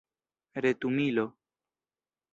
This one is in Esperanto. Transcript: retumilo